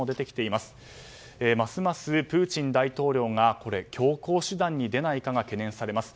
ますますプーチン大統領が強硬手段に出ないかが懸念されます。